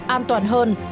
an toàn hơn